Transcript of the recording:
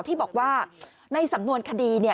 ที่บอกว่าในสำนวนคดี